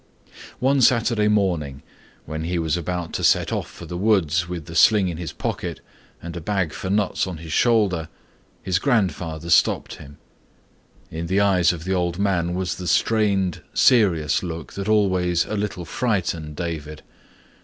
One Saturday morning when he was about to set off for the woods with the sling in his pocket and a bag for nuts on his shoulder, his grandfather stopped him. In the eyes of the old man was the strained serious look that always a little frightened David.